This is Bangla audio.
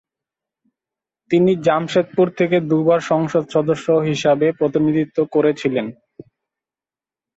তিনি জামশেদপুর থেকে দু'বার সংসদ সদস্য হিসাবে প্রতিনিধিত্ব করেছিলেন।